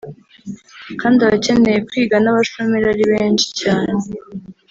kandi abakeneye kwiga n’abashomeri ari benshi cyane